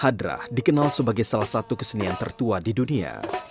hadrah dikenal sebagai salah satu kesenian tertua di dunia